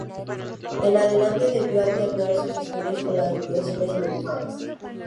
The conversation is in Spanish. En adelante debió alternar sus estudios con las obligaciones militares.